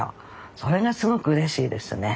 それがすごくうれしいですね。